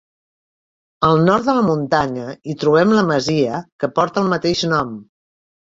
Al nord de la muntanya hi trobem la masia que porta el mateix nom.